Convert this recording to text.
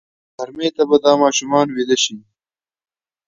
د غرمې خوا ته به د کوچیانو وار شو.